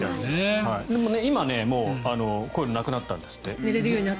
でも今はこういうのなくなったんですって。